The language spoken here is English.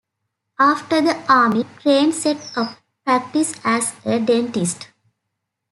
After the Army, Crane set up practice as a dentist.